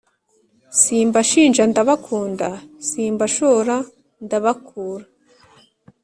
Simbashinja ndabakunda simbashora ndabakura